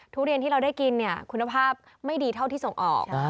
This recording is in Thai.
ทุเรียนที่เราได้กินคุณภาพไม่ดีเท่าที่ส่งออก